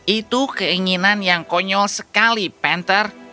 itu keinginan yang konyol sekali panther